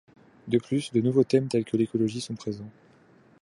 De plus, de nouveaux thèmes tels que l'écologie sont présents.